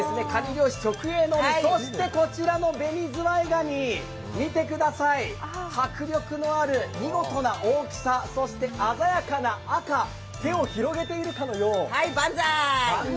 そしてこちらのズワイガニ見てください、迫力のある見事な大きさ、そして鮮やかな赤、手を広げているかのよう。